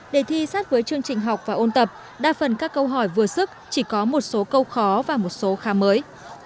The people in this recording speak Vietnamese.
đề thi sát với chương trình học và ôn tập đa phần các câu hỏi vừa sức chỉ có một số câu khó và một số khá mới